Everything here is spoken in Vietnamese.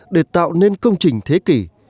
để tạo nên công trình thế kỷ